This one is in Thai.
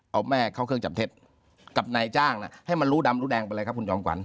เอาแม่เข้าเครื่องจับเท็จกับนายจ้างให้มันรู้ดำรู้แดงไปเลยครับคุณจอมขวัญ